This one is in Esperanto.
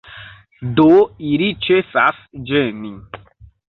Do ili ĉesas ĝeni.